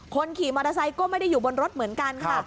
คนขี่มอเตอร์ไซค์ก็ไม่ได้อยู่บนรถเหมือนกันค่ะ